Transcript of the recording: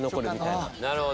なるほど。